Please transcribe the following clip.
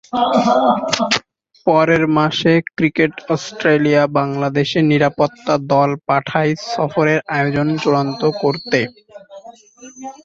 পরের মাসে, cricket Australia বাংলাদেশে নিরাপত্তা দল পাঠায় সফরের আয়োজন চূড়ান্ত করতে।